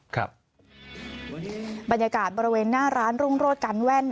บรรยากาศบริเวณหน้าร้านรุ่งโรศกันแว่น